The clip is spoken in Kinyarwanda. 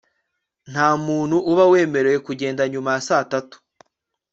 ntamuntu uba wemerewe kugenda nyuma ya saa tatu